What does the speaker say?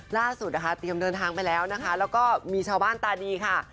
ล่าสุดนะคะเตรียมเดินทางไปแล้วนะคะแล้วก็มีชาวบ้านตาดีค่ะ